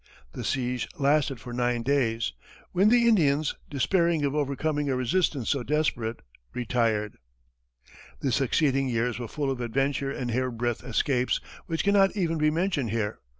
The siege lasted for nine days, when the Indians, despairing of overcoming a resistance so desperate, retired. The succeeding years were full of adventure and hair breadth escapes, which cannot even be mentioned here.